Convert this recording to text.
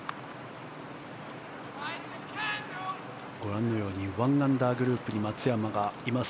ご覧のように１アンダーグループに松山がいます。